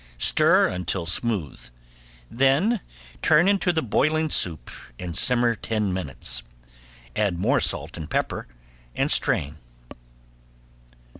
Stir until smooth, then turn into the boiling soup and simmer ten minutes. Add more salt and pepper and strain.